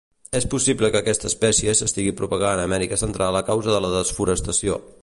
És possible que aquesta espècie s'estigui propagant a Amèrica Central a causa de la desforestació.